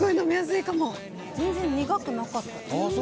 全然苦くなかった。